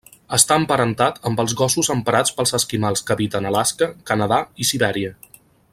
Està emparentat amb els gossos emprats pels esquimals que habiten Alaska, Canadà i Sibèria.